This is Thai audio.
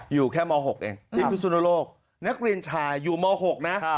อยู่แค่ม๖เองที่พิสุนโลกนักเรียนชายอยู่ม๖นะ